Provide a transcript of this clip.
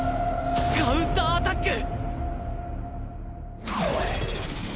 カウンターアタック！